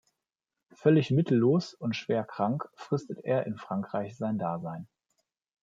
Völlig mittellos und schwerkrank fristet er in Frankreich sein Dasein.